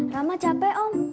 rama capek om